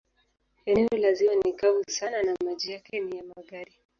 Eneo la ziwa ni kavu sana na maji yake ni ya magadi.